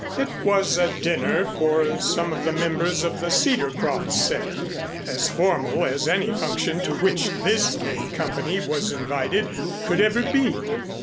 It was a dinner for some of the members of the Cedarcroft set, as formal as any function to which this gay company was invited, could ever be.